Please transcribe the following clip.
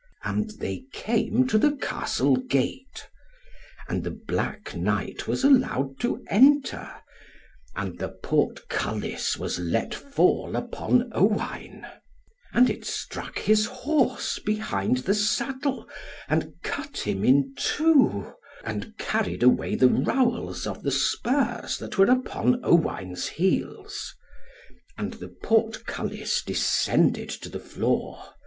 And they came to the Castle gate. And the black Knight was allowed to enter, and the portcullis was let fall upon Owain; and it struck his horse behind the saddle, and cut him in two, and carried away the rowels of the spurs that were upon Owain's heels. And the portcullis descended to the floor.